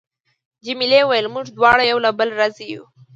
جميلې وويل: موږ دواړه یو له بله راضي یو.